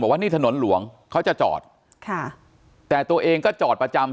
ว่านี่ถนนหลวงเขาจะจอดค่ะแต่ตัวเองก็จอดประจำ